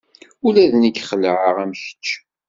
Ula d nekk xelɛeɣ am kečč.